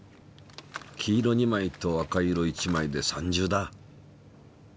黄色２枚と赤色１枚で３重だ。